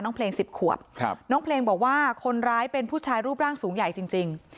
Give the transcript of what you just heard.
เพลง๑๐ขวบน้องเพลงบอกว่าคนร้ายเป็นผู้ชายรูปร่างสูงใหญ่จริง